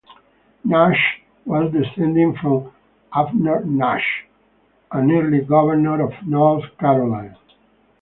Nash was descended from Abner Nash, an early governor of North Carolina.